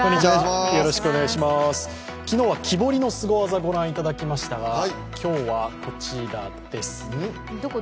昨日は木彫りのすご技ご覧いただきましたが今日は、こちらです。